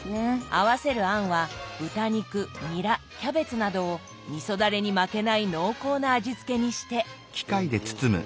合わせる餡は豚肉ニラキャベツなどをみそダレに負けない濃厚な味付けにして。